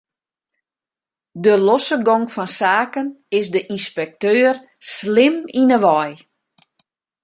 De losse gong fan saken is de ynspekteur slim yn 'e wei.